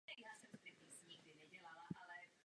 Přesně k tomu chci Parlament vyzvat.